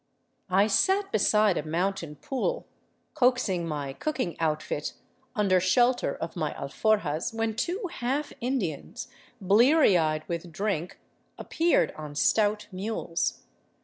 I sat beside a mountain pool, coaxing my cooking outfit un der shelter of my alforjas, when two half Indians, bleary eyed with drink, appeared on stout mules.